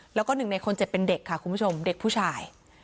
แล้วก็หนึ่งในคนเจ็บเป็นเด็กค่ะคุณผู้ชมเด็กผู้ชาย